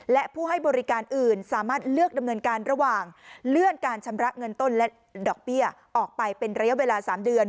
และผู้ให้บริการอื่นสามารถเลือกดำเนินการระหว่างเลื่อนการชำระเงินต้นและดอกเบี้ยออกไปเป็นระยะเวลา๓เดือน